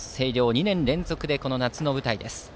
２年連続の夏の舞台です。